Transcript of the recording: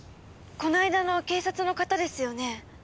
この間の警察の方ですよね？